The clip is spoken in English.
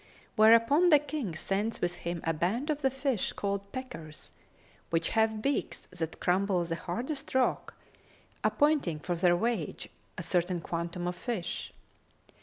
Whereupon the King sends with him a band of the fish called 'Peckers,'[FN#270] which have beaks that crumble the hardest rock, appointing for their wage a certain quantum of fish.